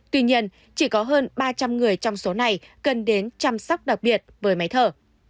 tuy nhiên chỉ có hơn ba trăm linh người trong số này cần đến chăm sóc đặc biệt với máy thở